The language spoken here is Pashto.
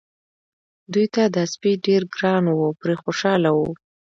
دوی ته دا سپی ډېر ګران و پرې خوشاله وو.